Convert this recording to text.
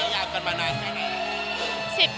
ยากเกินมานานไหมคะ